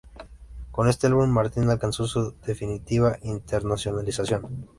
Con este álbum Martin alcanzó su definitiva internacionalización.